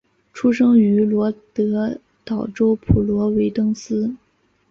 出生于罗德岛州普罗维登斯。